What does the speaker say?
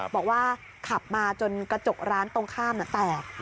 บอกว่าขับมาจนกระจกร้านตรงข้ามแตก